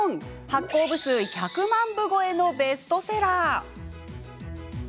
発行部数１００万部超えのベストセラー。